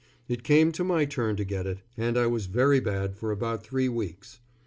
It came to my turn to get it, and I was very bad for about three weeks.